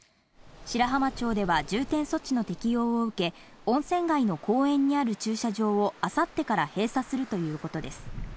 白浜町では重点措置の適用を受け、温泉街の公園にある駐車場をあさってから閉鎖するということです。